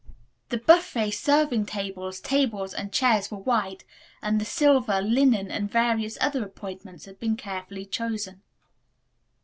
The buffet, serving tables, tables and chairs were white, and the silver, linen and various other appointments had been carefully chosen.